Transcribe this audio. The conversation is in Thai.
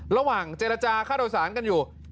ระหว่างเจรจาค่าโดยสารกันอยู่